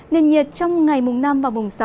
nên nhiệt trong ngày mùng năm và mùng sáu